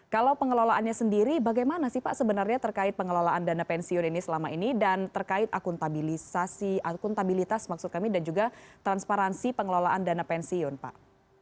kalau pengelolaannya sendiri bagaimana sih pak sebenarnya terkait pengelolaan dana pensiun ini selama ini dan terkait akuntabilisasi akuntabilitas maksud kami dan juga transparansi pengelolaan dana pensiun pak